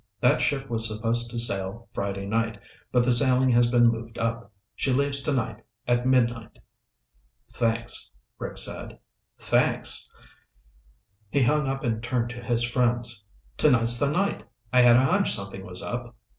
That ship was supposed to sail Friday night, but the sailing has been moved up. She leaves tonight at midnight." "Thanks," Rick said. "Thanks!" He hung up and turned to his friends. "Tonight's the night! I had a hunch something was up.